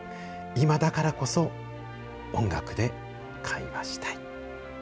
今だからこそ音楽で会話したい。